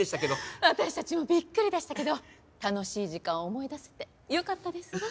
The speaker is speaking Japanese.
私たちもびっくりでしたけど楽しい時間を思い出せてよかったですわ。